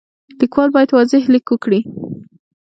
لیکوال باید واضح لیک وکړي.